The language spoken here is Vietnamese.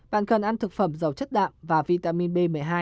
bạn cần ăn thực phẩm dầu chất đạm và vitamin b một mươi hai